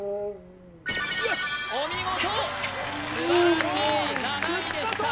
お見事素晴らしい７位でした×